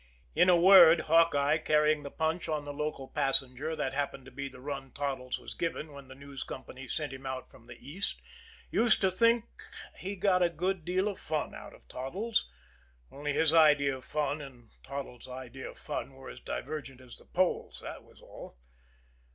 In a word, Hawkeye, carrying the punch on the local passenger, that happened to be the run Toddles was given when the News Company sent him out from the East, used to think he got a good deal of fun out of Toddles only his idea of fun and Toddles' idea of fun were as divergent as the poles, that was all.